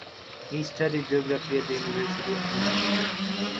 He studied geography at the University of Milan.